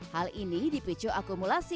hal ini dipicu akumulasi